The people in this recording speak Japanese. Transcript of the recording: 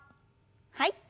はい。